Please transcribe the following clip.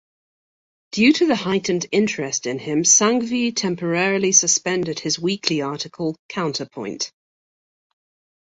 Due to the heightened interest in him Sanghvi temporarily suspended his weekly article "Counterpoint".